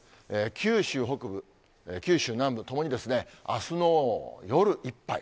九州北部、九州南部ともにあすの夜いっぱい。